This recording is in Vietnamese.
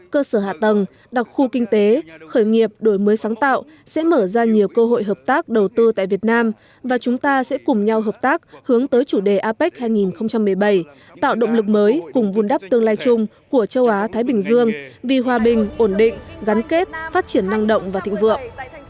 cơ sở hạ tầng đặc khu kinh tế khởi nghiệp đổi mới sáng tạo sẽ mở ra nhiều cơ hội hợp tác đầu tư tại việt nam và chúng ta sẽ cùng nhau hợp tác hướng tới chủ đề apec hai nghìn một mươi bảy tạo động lực mới cùng vun đắp tương lai chung của châu á thái bình dương vì hòa bình ổn định gắn kết phát triển năng động và thịnh vượng